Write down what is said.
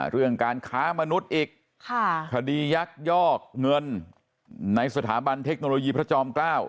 เรื่องการค้ามนุษย์อีกคดียักยอกเงินในสถาบันเทคโนโลยีพระจอมเกล้า